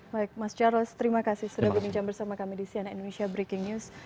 baik mas charles terima kasih sudah berbincang bersama kami di cnn indonesia breaking news